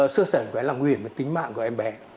xưa xảy ra là nguy hiểm về tính mạng của em bé